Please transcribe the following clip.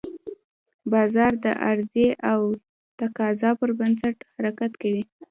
بازار د عرضې او تقاضا پر بنسټ حرکت کوي.